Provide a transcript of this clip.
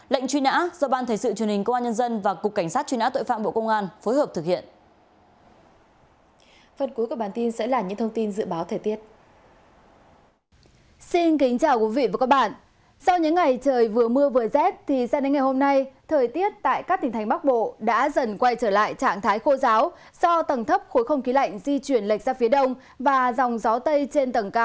lệnh truy nã do ban thầy sự truyền hình công an nhân dân và cục cảnh sát truy nã tội phạm bộ công an phối hợp thực hiện